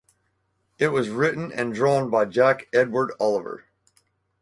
It was written and drawn by Jack Edward Oliver.